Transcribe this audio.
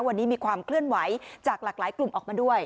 วันนี้มีความเคลื่อนไหวจากหลากหลายกลุ่มออกมาด้วย